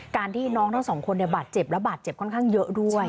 ที่น้องทั้งสองคนบาดเจ็บและบาดเจ็บค่อนข้างเยอะด้วย